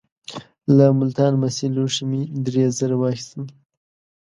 له ملتان مسي لوښي مې درې زره واخیستل.